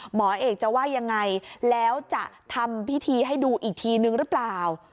หมอเอกจะว่ายังไงแล้วจะทำพิธีให้ดูอีกทีนึงหรือเปล่า